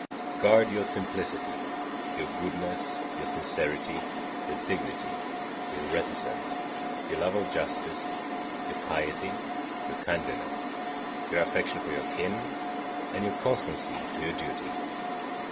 Guard your simplicity, your goodness, your sincerity, your dignity, your reticence, your love of justice, your piety, your kindliness, your affection for your kin, and your constancy to your duty.